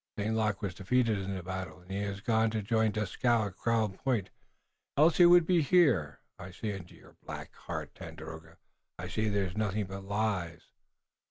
St. Luc was defeated in the battle, and he has gone to join Dieskau at Crown Point, else he would be here. I see into your black heart, Tandakora, and I see there nothing but lies."